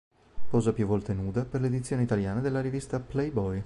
Posa più volte nuda per l'edizione italiana della rivista Playboy.